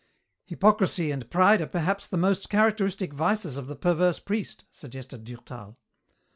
"Hypocrisy and pride are perhaps the most characteristic vices of the perverse priest," suggested Durtal.